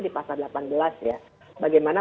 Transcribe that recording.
di pasal delapan belas ya bagaimana